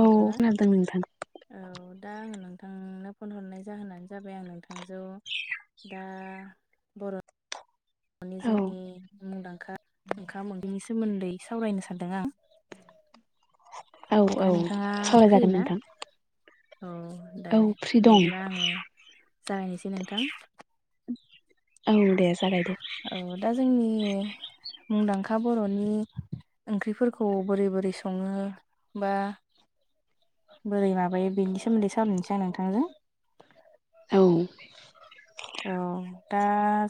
औ खोनादों नोंथां औ दा आङो नों नोंथांनो फन हरनाय जाहोनानो जाबाय आं नोंथांज दा बर' माने औ जोंनि मुंदांखा ओंखाम ओंख्रिनि सोमोन्दै सावरायनो सानदों आं। औ दा औ नोंथाङा फ्रि सावरायजागोन ना नोंथां। औ दे औ फ्रि दं बिदिब्ला आङो जागायनोसै नोंथां। औ दे। जागायदो औ दा जोंनि मुंदांखा बर'नि ओंख्रिफोरखौ बोरै बोरै सङो बा बोरै माबायो बेनि सोमोन्दै सावरायनोसै आं नोंथांजों। औ औ दा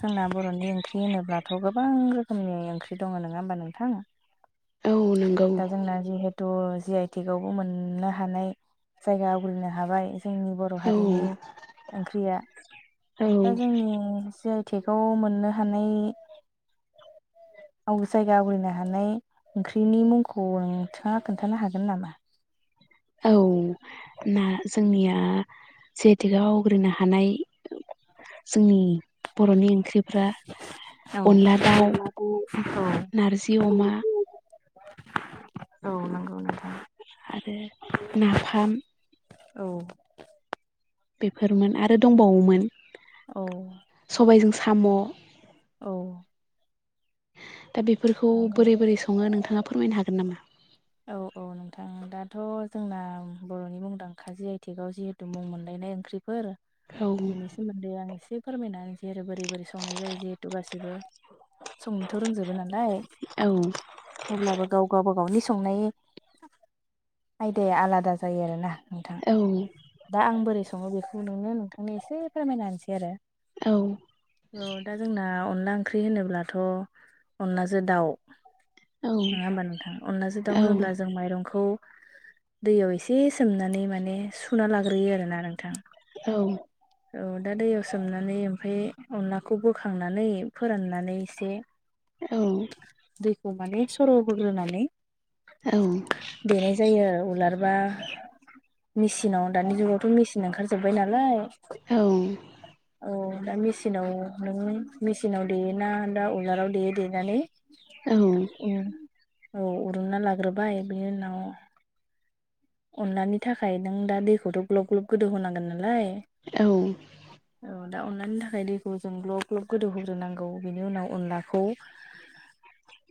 जोंना बर'नि ओंख्रि होनोब्लाथ' गोबां रोखोमनि ओंख्रि दङ नङा होमबा नोंथां? औ नंगौ दा जोंना जिहेथु जि आइ टेकबो मोननो हानाय जायगा आवग्रिनो हाबाय जोंनि बर' औ हारिनि ओंख्रिया औ दा जोंनि जि आइटेखौ मोननो हानाय [inaudible] आं जायगा आवग्रिनो हानाय ओंख्रिनि मुंखौ नोंथाङा खोन्थानो हागोन नामा? औ ना जोंनिया जिहेतुकआव आवग्रिनो हानाय‌ जोंनि बर'नि ओंख्रि फोरा औ अनला दाउ, नारजि अमा‌ औ नंगौ नों आरो नाफाम औ बेफोरमोन आरो दंबावोमोन। औ सबायजों साम' औ दा बेफोरखौ नंगौ बोरै बोरै सङो नोंथाङा फोरमायनो हागोन नामा? औ औ नोंथां दाथ' जोंना बर'नि मुंदांखााजि आइथेगाव जिहेथु मुं मोनलायनाय ओंख्रिफोर‌ औ बिनि सोमोन्दै आं एसे फोरमायनानै ज बोरै बोरै संनाय जायो जिहेतु गासिबो संनोथ' रोंजोबो नालाय औ अब्लाबो गाव गावब गावनि संनायनि आयदाया आलादा जायो आरोना नोंथां औ दा आं बोरै सङो बेखौ नोंनो नोंथांनो एसे फोरमायना होनसै आरो। औ औ दा जोंना अनला ओंख्रि होनोब्लाथ' अनलाजों दाउ‌ नङा औ होमबा नोंथां? अनदलाजों दाउ औ होनोब्ला जों माइरंखौ दैयाव एसे सोमनानै माने सुना लाग्रोयो आरोना नोंथां। औ औ दा दैयाव सोमनानै ओमफ्राय अनलाखौ बोखांनानै फोराननानै एसे दैखौ माने सर' होग्रोनानै‌ देनाय जायो आरो उलारबा मेचिनाव दानि जुगावथ' मेचिन ओंखारजोबबाय नालाय। औ औ दा मेसिनाव नों मेचिनाव देयोना दा उलालाव देयो देनानै‌ औ औ उनना लाग्रोबाय बेनि उनाव‌ अनलानि थाखाय नों दा दैखौथ' ग्लब ग्लब गोदौ होनांगोन लाय औ दा अनलानि थाखाय दैखौ जों ग्लब ग्लब गोदौ होग्रोनांगौ बिनि उनाव अनलाखौ‌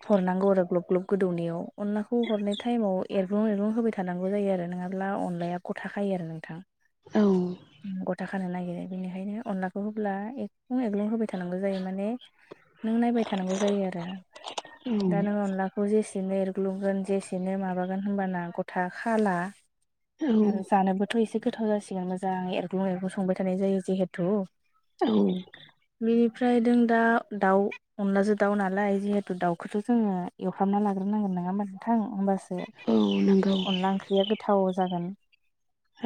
हरनांगौ आरो ग्लब ग्लब गोदौनायाव । अनलाखौ हरनाय टाइमाव एरग्लुं एरग्रुं होबाय थानांगौ जायो आरो नङाब्ला अनलाया गथाखायो आरो नोंथां। औ गथा खानो नागिरो बेनिखायनो अनलाखौ होब्ला एग्लं एग्लं होबाय थानांगौ जायो माने नों नायबाय थानांगौ जायो आरो दा नों अनलाखौ जेसे सेनो एरग्लुंगोन जेसेनो माबागोन होनबाना गथा खाला। औ आरो जानोबोथ' एसे गोथाव जासिगोन मोजां एरग्लुं एरग्लुं संबाय थानाय जायो जिहेथु। औ बेनिफ्राय जों दा दाउ अनलाजों दाउ नालाय जिहेथु दाउखौथ' जोङो एवफ्रामना लाग्रो नांगोन नङा मथां होमबासो औ नोंगौ अनला ओंख्रिया गोथाव जागोन औ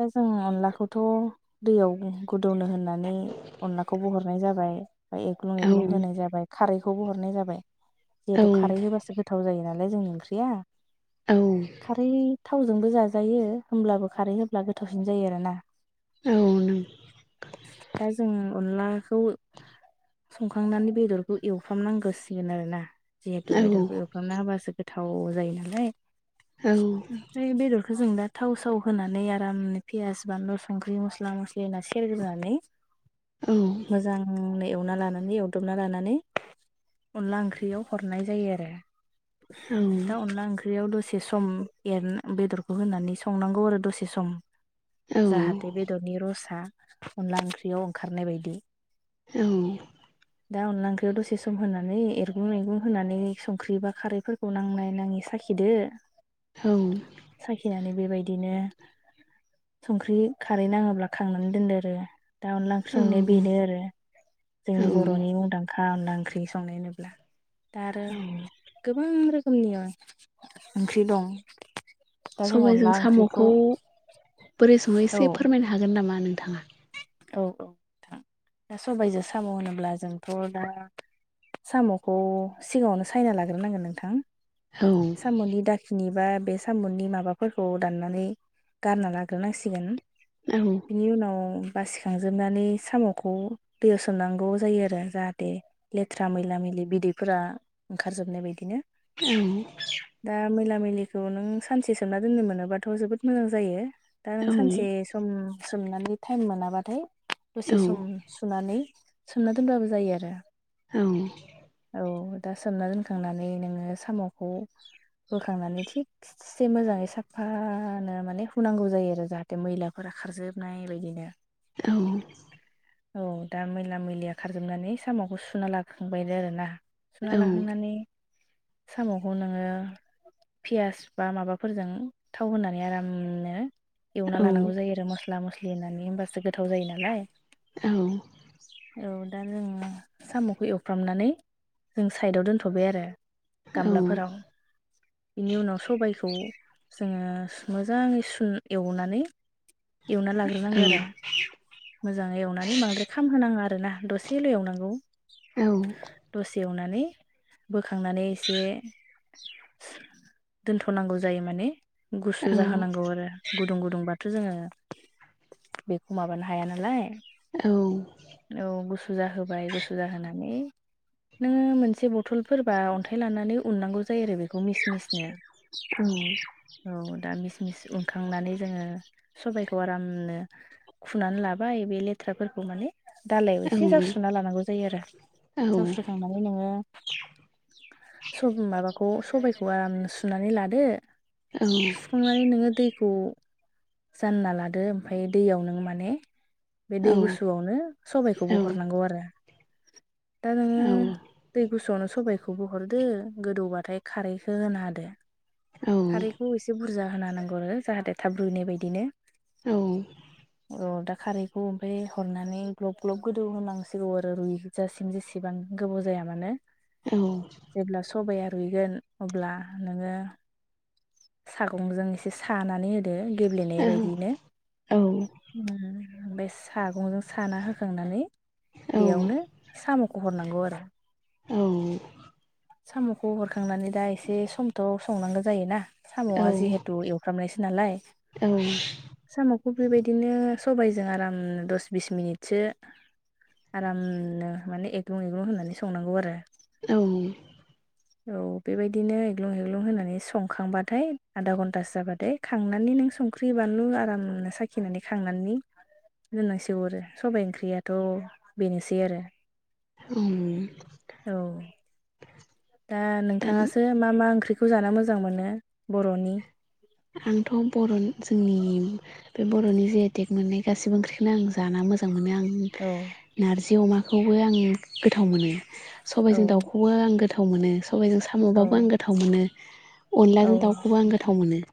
दा जों अनलाखौ खौथ' दैयाव गुदौनो होननानै अनलाखौ बहरनाय जाबाय। एग्लुं औ एग्लुं होनाय जाबाय खारैखौबो हरनाय जाबाय औ नों औ जिहेतु खारै होबासो गोथाव थाव जायो नालाय जोंनि ओंख्रिया औ खारै थावजोंबो जाजायो होमब्लाबो खारै होब्ला गोथावसिन जायो आरो ना औ दा जों अनलाखौ संखांनानै बेदरखौ एवफ्राम नांगोसिगो आरो ना जिहेथु बेदरखौ एवखना होबासो गोथाव जायो नालाय ओमफ्राय बेदर बेखौ जों दा थावसाव होनानै आराम फियाज बानलु संख्रै मसला मसलै होना सेरगोरनानै औ मोजांनो एवना लानानै एवदबना लानानै अनला ओंख्रियाव हरनाय जायो आरो दा अनला ओंख्रियाव दस सम एर बेदरखौ होनानै संनांगौ आरो दसे सम जाहाथे बेदरनि रसा अनला ओंख्रियाव ओंखारनाय बायदि औ दा अनला ओंख्रियाव दसे सम होनानै एरगुं मैगुं होनानै संख्रि बा खारैफोरखौ नांलनाय नाङि साखि खिदो साखिनानै बेबायदिनो संख्रि खारै नाङोब्ला खांनानै दोनदो आरो दा अनला ओंख्रि संनाया बेनो आरो औ जोंनि बर'नि मुंदांखा अनदला ओंख्रि संनायोब्ला दा आरो गोबां रोखोमनि ओंख्रि दं दा जों सबायजों अनला साम'खौ ओंख्रिखौ बोरै सङो एसे फोरमायनो हागोन नामा नोंथाङा? औ-औ नोंथां दा सबायजों साम होनोब्ला जोंथ दा साम'खौ सिगाङावनो सायना लाग्रोनांगोन नोंथां औ सामनि दाखिनि बा बे सामुंनि माबाफोरखौ दाननानै गारना लाग्रोनांसिगोन औ बिनि उनाव बासिखांजोबनानै साम'खौ दैयाव होसोमनां नांगौ जायो आरो जाहाथे लेथरा मैला मैलि बिदैफोरा ओंखार जोबनाय बायदिनो उम दा मैला मैलिखौ नों सानसे सोमना दोननो मोनोबाथ' जोबोद मोजां जायो दा नों सानसे सम सोमनानै टाइम मोनाबाथाय औ दसेसम सोमनानै सोमना दोनबाबो जायो आरो औ औ दा सोमना दोनखांनानै नैङो सामखौ [inaudible] बोखांनानै थिगसे मोजाङै साफानो माने हुनांगौ जायो आरो जाहाथे मैलाफोरा खा रजोबनाय बायदिनो औ औ दा मैला मैलिया खारजोबनानै साम'खौ सुना लाखांबायनो आरोना सुना लाहांनानै साम' बेखौ नोङो पियास बा माबाफोरजों थाव होनानै आरामनो एवना लानांगौ जायो आरो मसला मसलि होनानै होनबासो गो थाव जायो नालाय औ दा जों सामखौ एवफरामनानै जोंसायेदाव दोन्थबाय आरो औ फोराव बिनि उनाव सबायखौ जोङो मोजाङै स एवनानै एवना लाग्रोनांगौ औ आरो मोजाङै एवनानै बांद्राय खामहोनाङा आरोना दसेल' एवनांगौ दा आंथ' दसे। सेवनानै बोखांनानै एसे। दोनथ'नांगौ जायो माने गुसु जाहोनांगौ आरो गुदुं गुदुं बा थ' जोङो बेखौ माबानो हाया नालाय। औ गुसु जाहोबाय गुसु जाहानै नोङो मोनसे बथलफोरबा अन्थाइ लानानै उननांगौ जायो आरो बे खौ मिस मिसनो औ। दा मिस मिस उनखांनानै जोङो सबाइखौ आरामनो खुनानै लाबाय बे लेथ खाथ्राफोरखौ माने दालायाव एसे जावस्रना लानांगौ जायो आरो जावस्रखांनानै नोङो माबाखौ सबायखौ आराम सुनानै लादो। सुखांनानै नोङो दै खौ जानना लादो ओमफ्राय दैयाव नों माने बे दै गुसुआवनो सबबायखौबो हरनांगौ आरो। दा नोङो दै गुसुआवनो सबायखौ बहरदो गोदौबा थाय खारैखौ होना होदो खारैखौ एसे बुरजा होना नांगौ आरो जाहाथे थाब रुनाय बायदिनो। औ दा खारैखौ ओमफफ्राय हरनानै ग्लब ग्लब गोदौ होनांसिगौ आरो रुइजासिम जेसेबां गोबाव जाया मानो जेब्ला सबाया रुइगोन अब्ला नोङो सागंजों एसे सानानै होदो गेब्लेनाय बायदिनो। ओमफ्राय सागंजों साना होखांनानै बेयावनो साम' हरनांगौ आरो। औ साम'खौ हरखांनानै दा एसे समथ' संनांगौ जायोना। साम'आ जिहेथु एवफ्रामनायसो नालाय साम' बेबायदिनो सबायजों आराम दस बिस मिनिटसो आरामनो माने एग्लुं एग्लुं होननानै संनांगौ आरो। औ औ बेबायदिनो एग्लुं हेग्लुं होनानै संखांबाथाय आधा घन्टासो जाबाथाय खांनानै नों संख्रि बानलु आरामनो साखिनानै खांनानै दोननांसो हरो सबबाय ओंख्रियाथ' बेनोसै आरो। औ औ दा नोंथाङासो मा मा ओंख्रिखौ जानो मोजां मोनो बर'नि? आंथ' बर' जोंनि बे बर'नि जे एटेक मोननाय गासैबो ओंख्रिखौनो आं जानो मोजां मोनो आं। औ नारजि अमाखौबो आं गोथाव मोनो औ सबायजों दाउखौबो आं गो थाव मोनो सबायजों साम'बाबो आं गोथाव मोनो औ अनलाजों दाउखौबो आं नोंथां गोथाव मोनो।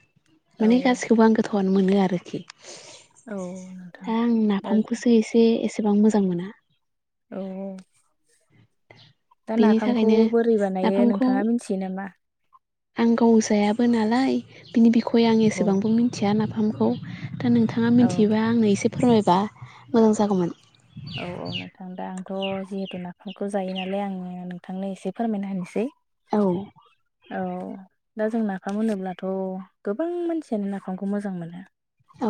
औ माने गासिखौबो आं गोथावनो मोनो आरोखि। औ दा नोंथां आं दा नाफामखौसो एसे एसेबां मोजां मोना। औ औ दा बेनि नाफामखौ थाखायनो बोरै बानायो नाफामखौ नोंथाङा मिथियो नामा? आं गाव जायाबो नालाय बिनि बि खय आं औ एसेबांबो मिथिया नाफामखौ दा नोंथाङा औ मिथियोबा आंनो एसे फोरमायबा? मोजां जागौमोन। औ औ नोंथां दा आंथ' जिहेथु ना फामखौ जायो नालाय आङो नोंथांनो एसे फोरमायना होनोसै। औ औ दा जों नाफाम होनोब्लाथ' गोबां मानसियानो नाफामखौ मोजां मोनो औ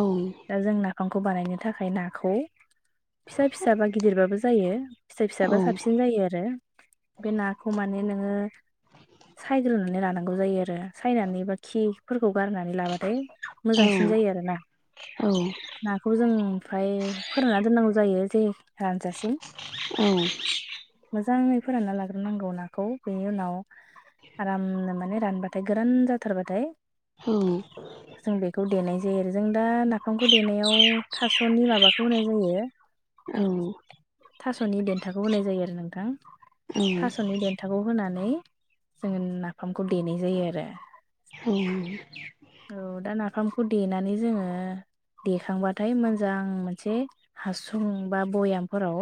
दा जों नाफामखौ बानायनो थाखाय नाखौ फिसा फिसाबा गिदिरबाबो जायो फिसा औ फिसाबा साबसिन जायो आरो बे नाखौ माने नोङो सायग्रोनानै लानांगौ जायो आरो सायनानै बा खिफोरखौ खौ गारनानै लाबाथाय मोजांसिन जायो आरोना औ नाखौ जों ओमफ्राय फोरानना दोननांगौ जायो जानजासिम औ औ मोजाङै फोरानना लाग्रोनांगौ नाखौ बेनि उनाव आरामनो माने रानबाथाय गोरान जाथारबाथाय जों बेखौ देनाय जायो आरो। जों दा नाफामखौ खौ देनायाव थास'नि माबाखौ होनाय जायो औ थास'नि देन्थाखौ होनाय जायो आरो नोंथां थास'नि देन्थाखौ होन होनानै जोङो नाफामखौ देनाय जायो आरो औ दा नाफामखौ देनानै जोङो देखांबाथाय मोजां मोनसे हासुं बा बयामफोराव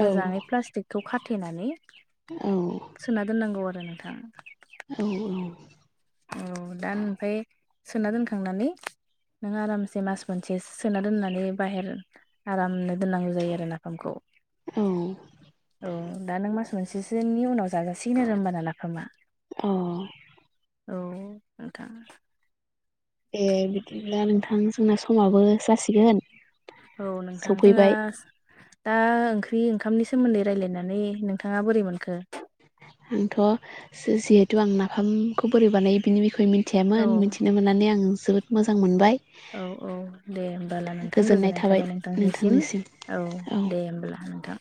मोजाङै प्लास्टिकखौ खाथेनानै सोना दोननांगौ आरो नोंथां औ औ औ दा ओमफ्राय सोना दोनखांनानै नों आरामसे मास मोनसे सोना दोननानै बाहेर आरामनो दोननांगौ जायो आरो नाफामखौ औ औ दा नों मास मोनसेसोनि उनाव जाजासिगोन आरो होमबाना नाफामा अ औ नोंथां ए बिदिब्ला नोंथां जोंना समाबो जासिगोन औ नोंथां जोंहा सफैबाय दा ओंख्रि ओंखामनि सोमोन्दै रायलायनानै नोंथाङा बोरै मोनखो? आंथ' जिहेथु आं नाफामखौ बोरै बानायो बिनि बिखय मिथि मिथियामोन औ मिथिनो मोननानै आं जोबोद मोजां मोनबाय। औ औ दे होमबालाय नोंथां गोजोननाय थाबाय नोंथांनिसिम औ दे होमबालाय नोंथां